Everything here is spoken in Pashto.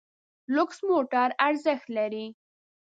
لوکس موټر ارزښت لري.